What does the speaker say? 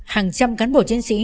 hàng trăm cán bộ chiến sĩ